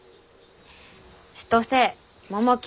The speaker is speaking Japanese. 千歳百喜